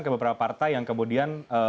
ke beberapa partai yang kemudian